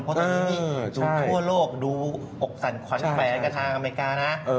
เพราะตอนนี้ดูทั่วโลกดูอกสรรควันแฟนกระทางอเมริกานะ